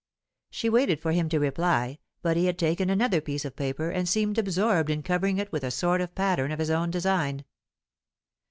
She waited for him to reply, but he had taken another piece of paper, and seemed absorbed in covering it with a sort of pattern of his own design.